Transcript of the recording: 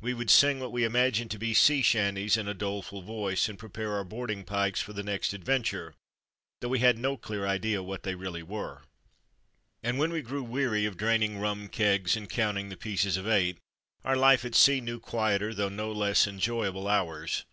We would sing what we imagined to be sea chanties in a doleful voice, and prepare our boarding pikes for the next adventure, though we had no clear idea what they really were. And when we grew weary of draining rum kegs and counting the pieces of eight, our life at sea knew quieter though no less enjoy able hours.